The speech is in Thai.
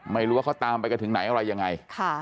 ไม่รู้ว่าเขาตามไปกันถึงไหนอะไรยังไง